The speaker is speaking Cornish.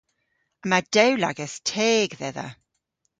Yma dewlagas teg dhedha.